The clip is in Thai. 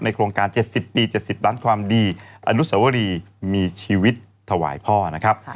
โครงการ๗๐ปี๗๐ล้านความดีอนุสวรีมีชีวิตถวายพ่อนะครับ